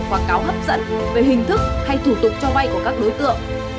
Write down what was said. quảng cáo hấp dẫn về hình thức hay thủ tục cho vay của các đối tượng